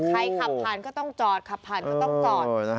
ใครขับพันธุ์ก็ต้องจอดขับพันธุ์ก็ต้องจอด